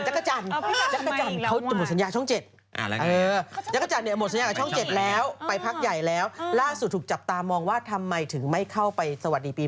จักรจันผมเป็นมนุษย์๗ลังค์ไหวจักรจันอย่างต้องไปพักใหญ่แล้วล่าสุดถูกจับตามองว่าทำไมถึงไม่เข้าไปสวัสดีปี